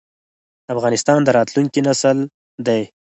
افغانستان د راتلونکي نسل دی